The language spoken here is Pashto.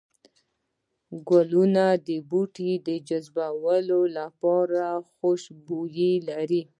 گلونه د بوټو جذبولو لپاره خوشبو لري